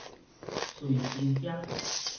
隨身碟